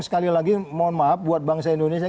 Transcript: sekali lagi mohon maaf buat bangsa indonesia